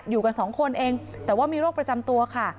อยู่กันสองคนเองแต่ว่ามีโรคประจำตัวค่ะ